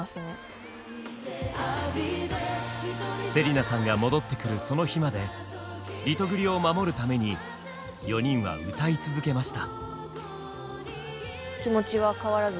芹奈さんが戻ってくるその日までリトグリを守るために４人は歌い続けました。